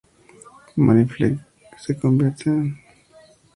Mary Flake se convertía en la nueva Primera Dama de Honduras.